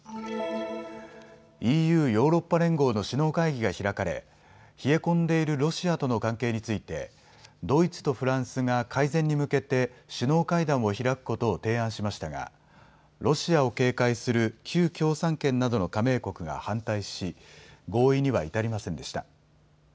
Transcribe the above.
ＥＵ・ヨーロッパ連合の首脳会議が開かれ、冷え込んでいるロシアとの関係についてドイツとフランスが改善に向けて首脳会談を開くことを提案しましたがロシアを警戒する旧共産圏などの加盟国が反対し、合意には至りませんでした。